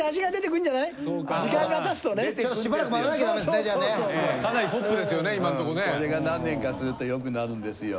これが何年かするとよくなるんですよ。